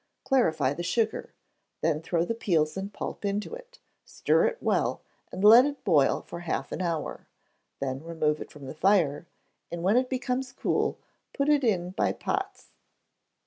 Clarify the sugar; then throw the peels and pulp into it, stir it well, and let it boil for half an hour. Then remove it from the fire, and when it becomes cool, put it by in pots.